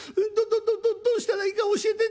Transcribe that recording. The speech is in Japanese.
どどどどどうしたらいいか教えて！』。